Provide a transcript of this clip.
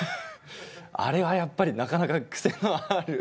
あれはやっぱりなかなかクセのある。